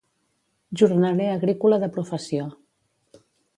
Jornaler agrícola de professió.